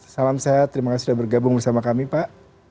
salam sehat terima kasih sudah bergabung bersama kami pak